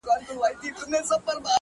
• رب دي سپوږمۍ كه چي رڼا دي ووينمه،